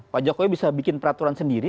pak jokowi bisa bikin peraturan sendiri